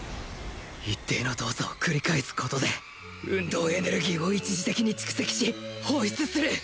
一定の動作を繰り返すことで運動エネルギーを一時的に蓄積し放出する。